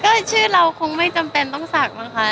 ก็ชื่อเราคงไม่จำเป็นต้องศักดิ์มั้งคะ